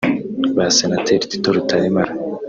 Ba Senateri Tito Rutaremara